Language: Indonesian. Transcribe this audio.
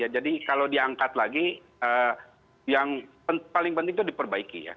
jadi kalau diangkat lagi yang paling penting itu diperbaiki ya